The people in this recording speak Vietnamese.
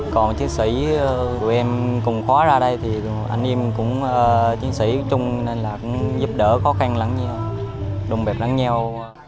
còn chiến sĩ tụi em cùng khóa ra đây thì anh em cũng chiến sĩ chung nên là cũng giúp đỡ khó khăn lắm nhau đồng việc lắm nhau